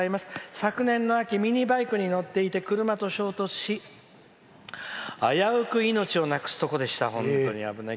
昨年の秋ミニバイクに乗っていて車と衝突し、危うく命をなくすところでした。